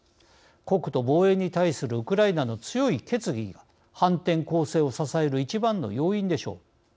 国土防衛に対するウクライナの強い決議が反転攻勢を支える一番の要因でしょう。